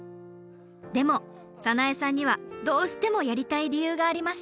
でも早苗さんにはどうしてもやりたい理由がありました。